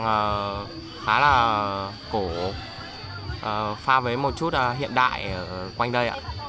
giàn hàng khá là cổ pha với một chút hiện đại ở quanh đây ạ